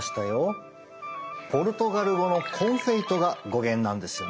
ポルトガル語の「コンフェイト」が語源なんですよね。